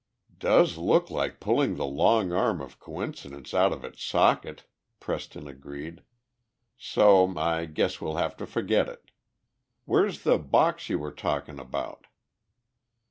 "Does look like pulling the long arm of coincidence out of its socket," Preston agreed. "So I guess we'll have to forget it. Where's the box you were talking about?"